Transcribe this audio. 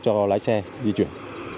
cho lái xe di chuyển